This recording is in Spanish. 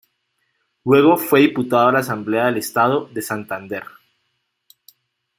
Luego fue diputado a la Asamblea del Estado de Santander.